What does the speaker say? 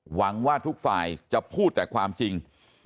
หวังว่าทุกฝ่ายจะพูดแต่ความจริง